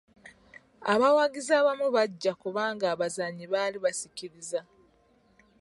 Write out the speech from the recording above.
Abawagizi abamu bajja kubanga abazanyi baali basikiriza.